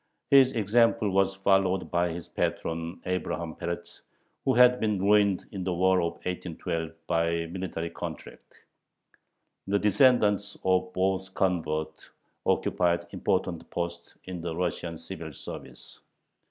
His example was followed by his patron Abraham Peretz, who had been ruined in the War of 1812 by military contracts. The descendants of both converts occupied important posts in the Russian civil service.